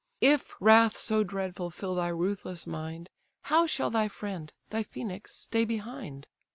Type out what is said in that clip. If wrath so dreadful fill thy ruthless mind, How shall thy friend, thy Phœnix, stay behind?